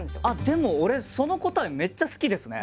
でも俺その答えめっちゃ好きですね。